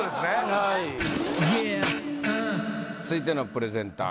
はい続いてのプレゼンター